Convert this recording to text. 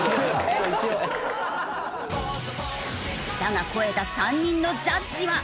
舌が肥えた３人のジャッジは！？